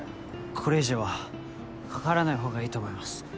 これ以上は関わらない方がいいと思います。